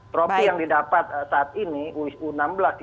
trophy yang didapat saat ini u enam belas tidak akan bisa kembang